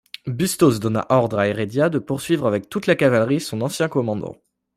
Bustos donna ordre à Heredia de poursuivre avec toute la cavalerie son ancien commandant.